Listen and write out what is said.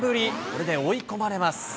これで追い込まれます。